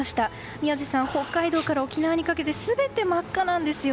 宮司さん、北海道から沖縄にかけて全て真っ赤なんです。